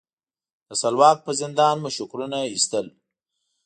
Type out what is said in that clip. د سلواک په زندان مو شکرونه ایستل.